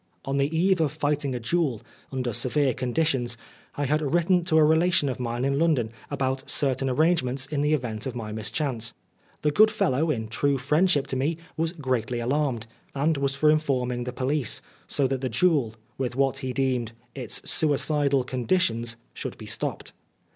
On the eve of fighting a duel, under severe conditions, I had written to a relation of mine in London about certain arrangements in the event of my mischance. The good fellow, in true friendship to me, was greatly alarmed, and was for informing the police, in Oscar Wilde so that the duel, with what he deemed " its suicidal conditions," should be stopped.